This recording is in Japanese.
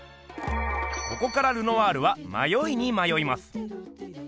ここからルノワールはまよいにまよいます。